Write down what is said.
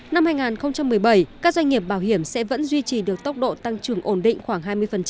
năm hai nghìn một mươi bảy các doanh nghiệp bảo hiểm sẽ vẫn duy trì được tốc độ tăng trưởng ổn định khoảng hai mươi